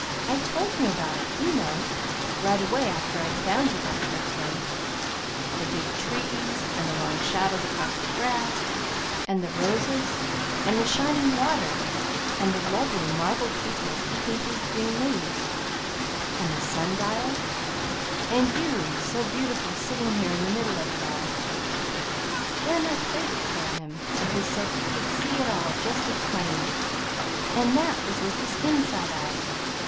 I told him about it, you know, right away after I'd found you that first day: the big trees and the long shadows across the grass, and the roses, and the shining water, and the lovely marble people peeping through the green leaves; and the sundial, and you so beautiful sitting here in the middle of it all. Then I played it for him; and he said he could see it all just as plain! And THAT was with his inside eyes!